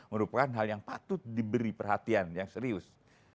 merupakan hal yang patut diberi perhatian yang serius